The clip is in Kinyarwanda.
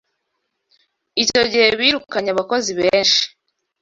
Icyo gihe birukanye abakozi benshi.